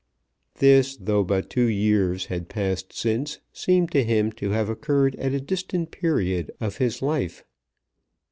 This, though but two years had passed since, seemed to him to have occurred at a distant period of his life.